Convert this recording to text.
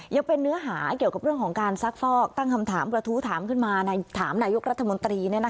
ยังเป็นเนื้อหาเกี่ยวกับเรื่องของการซักฟอกตั้งคำถามกระทู้ถามขึ้นมาถามนายกรัฐมนตรี